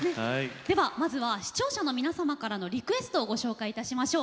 まずは視聴者の皆さんからのリクエストをご紹介しましょう。